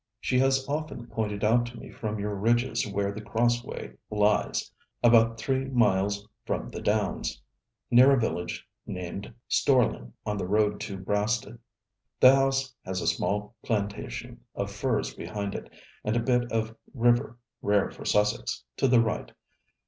'She has often pointed out to me from your ridges where The Crossways lies, about three miles from the Downs, near a village named Storling, on the road to Brasted. The house has a small plantation of firs behind it, and a bit of river rare for Sussex to the right.